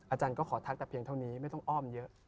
อาจารย์ก็ขอทักแต่เพียงเท่านี้ไม่ต้องอ้อมเยอะ